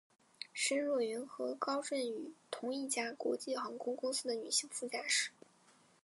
申若云是和高振宇同一家国际航空公司的女性副驾驶。